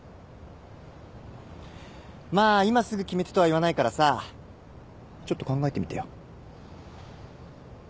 まあ今すぐ決めてとは言わないからさちょっと考えてみてよ。